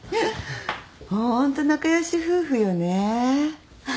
ホント仲良し夫婦よね。